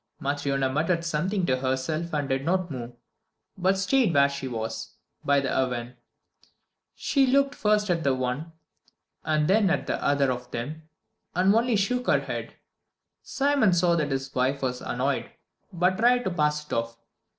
Matryona muttered something to herself and did not move, but stayed where she was, by the oven. She looked first at the one and then at the other of them, and only shook her head. Simon saw that his wife was annoyed, but tried to pass it off.